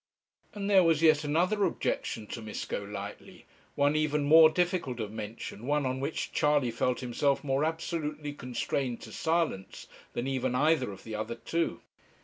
And there was yet another objection to Miss Golightly; one even more difficult of mention, one on which Charley felt himself more absolutely constrained to silence than even either of the other two.